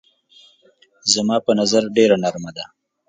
زما په نظر ډېره نرمه ده.